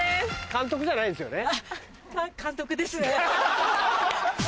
監督じゃないんですよね？